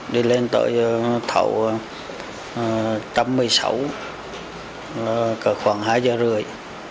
đi lên tới thầu trăm một mươi sáu cỡ khoảng hai giờ rưỡi